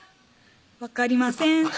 「分かりません」